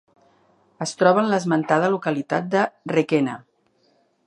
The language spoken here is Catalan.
Es troba en l'esmentada localitat de Requena.